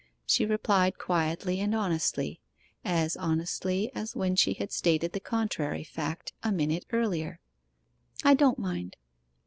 She replied quietly and honestly as honestly as when she had stated the contrary fact a minute earlier 'I don't mind.